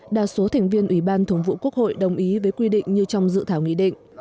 đa số thành viên ủy ban thường vụ quốc hội đồng ý với quy định như trong dự thảo nghị định